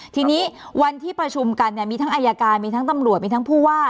ทีนี้วันที่ประชุมกันเนี่ยมีทั้งอายการมีทั้งตำรวจมีทั้งผู้ว่า